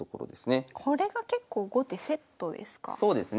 これが結構後手セットですか？